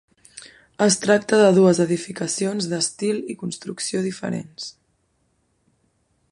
Es tracta de dues edificacions d'estil i construcció diferents.